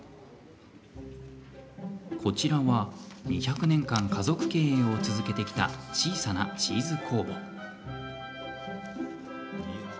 こちらは２００年間家族経営を続けてきた小さなチーズ工房。